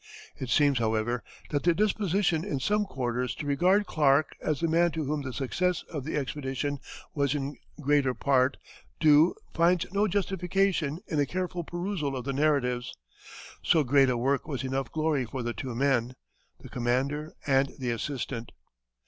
It seems, however, that the disposition in some quarters to regard Clark as the man to whom the success of the expedition was in greater part due, finds no justification in a careful perusal of the narratives. So great a work was enough glory for the two men, the commander and the assistant.